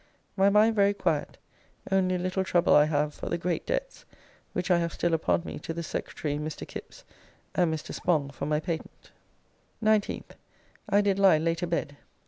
My mind very quiet, only a little trouble I have for the great debts which I have still upon me to the Secretary, Mr. Kipps, and Mr. Spong for my patent. 19th. I did lie late a bed.